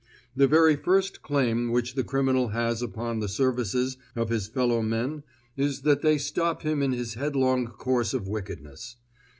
The very first claim which the criminal has upon the services of his fellow men is that they stop him in his headlong course of wickedness.